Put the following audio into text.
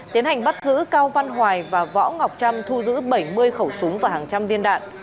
tiến hành bắt giữ cao văn hoài và võ ngọc trâm thu giữ bảy mươi khẩu súng và hàng trăm viên đạn